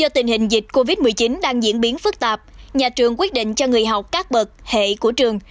do tình hình dịch covid một mươi chín đang diễn biến phức tạp nhà trường quyết định cho người học các bậc hệ của trường